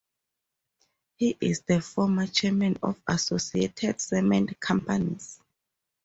He is the former chairman of Associated Cement Companies.